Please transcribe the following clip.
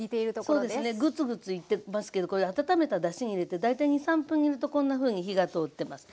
グツグツいってますけどこれ温めただしに入れて大体２３分煮るとこんなふうに火が通ってます。